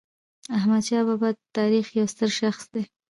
احمدشاه بابا د تاریخ یو ستر شخص و.